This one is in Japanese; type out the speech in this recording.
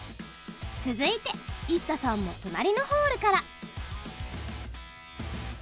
続いてＩＳＳＡさんも隣のホールから。